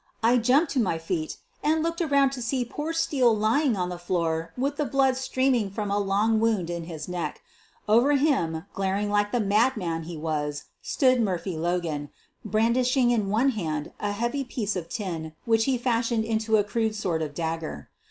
I jumped to my feet, and looked around to see poor Steele lying on the floor with the blood streaming from a long wound in his throat. Over him, glaring like the madman he was, stood Murphy Logan, brandishing in one hand a heavy piece of tin which he had fashioned into a crude sort of dagger.